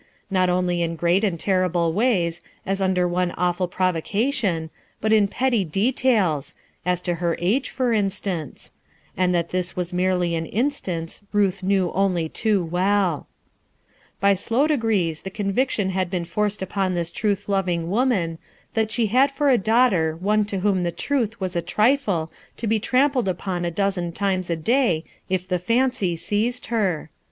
not only in great and terrible ways, as one under awful provoca tion, but in petty details, — as to her age, for in stance; and that this was merely an instance, Ruth knew only too well By slow degrees the conviction had been forced upon this truth loving woman that she had for a daughter one to whom the truth was as a trifle to be trampled upon a dozen times a day if the fancy seised her.